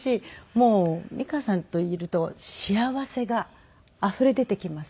もう美川さんといると幸せがあふれ出てきます。